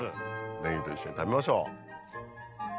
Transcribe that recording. ネギと一緒に食べましょう。